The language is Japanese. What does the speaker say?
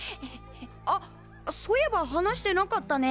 あっそういえば話してなかったね。